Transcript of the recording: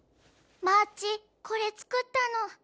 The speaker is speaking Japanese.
マーチこれ作ったの。